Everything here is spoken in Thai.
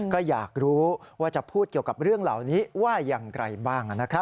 ก็อยากรู้ว่าจะพูดเกี่ยวกับเรื่องเหล่านี้ว่าอย่างไรบ้างนะครับ